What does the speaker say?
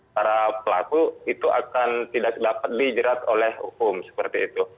para pelaku itu akan tidak dapat dijerat oleh hukum seperti itu